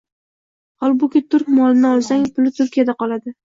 Holbuki, turk molini olsang, puli Turkiyada qoladi...